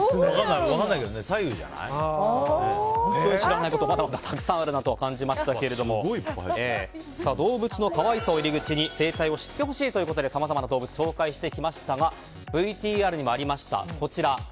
本当に知らないことがまだまだたくさんあるなと感じましたけども動物の可愛さを入り口に生態を知ってほしいということでさまざまな動物を紹介してきましたがＶＴＲにもありました